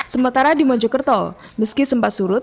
sementara di mojokerto meski sempat surut